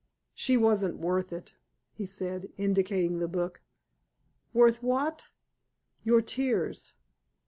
"She wasn't worth it," he said, indicating the book. "Worth what?" "Your tears.